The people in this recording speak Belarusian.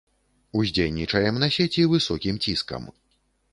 Уздзейнічаем на сеці высокім ціскам.